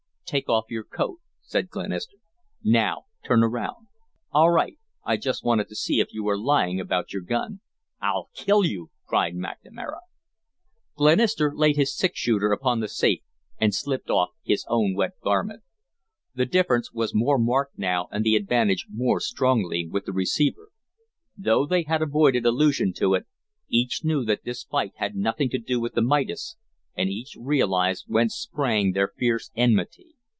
"Take off your coat," said Glenister. "Now turn around. All right! I just wanted to see if you were lying about your gun." "I'll kill you," cried McNamara. Glenister laid his six shooter upon the safe and slipped off his own wet garment. The difference was more marked now and the advantage more strongly with the receiver. Though they had avoided allusion to it, each knew that this fight had nothing to do with the Midas and each realized whence sprang their fierce enmity.